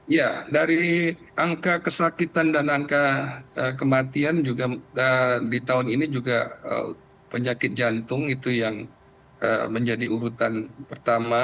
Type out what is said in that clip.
ya dari angka kesakitan dan angka kematian juga di tahun ini juga penyakit jantung itu yang menjadi urutan pertama